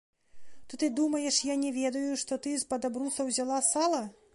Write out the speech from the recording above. То ты думаеш, я не ведаю, што ты з-пад абруса ўзяла сала?